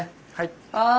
あ！